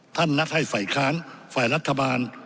นัดให้ฝ่ายค้านฝ่ายรัฐบาล